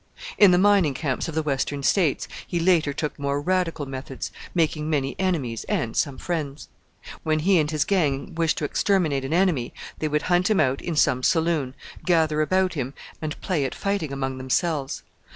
In the Mining Camps of the Western States he later took more radical methods, making many enemies and some friends. When he and his gang wished to exterminate an enemy they would hunt him out in some saloon, gather about him, and play at fighting among themselves.